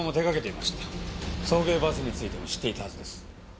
送迎バスについても知っていたはずです。